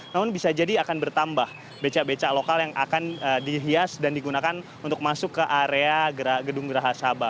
namun bisa jadi akan bertambah becak becak lokal yang akan dihias dan digunakan untuk masuk ke area gedung geraha sabah